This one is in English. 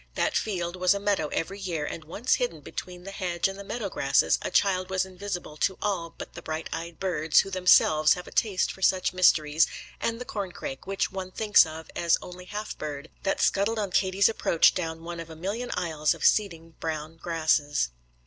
That field was a meadow every year, and once hidden between the hedge and the meadow grasses a child was invisible to all but the bright eyed birds, who themselves have a taste for such mysteries, and the corn crake, which one thinks of as only half bird, that scuttled on Katie's approach down one of a million aisles of seeding brown grasses.